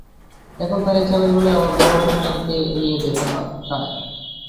এখন তারা এই চাবির বিনিময়ে আমার বড় সন্তানকে নিয়ে যেতে চায়।